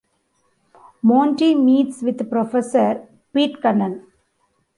Monty meets with Professor Pitkannan.